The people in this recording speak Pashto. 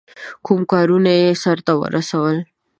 کوم کارونه یې سرته ورسول.